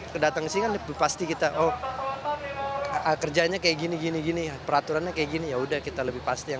kedatang sini kan pasti kita oh kerjanya kayak gini gini peraturannya kayak gini yaudah kita lebih pasti